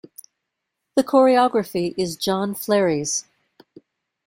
The choreography is John Flery's.